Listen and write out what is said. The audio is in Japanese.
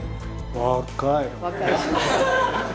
若い！